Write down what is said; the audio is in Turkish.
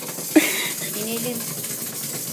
İnelim.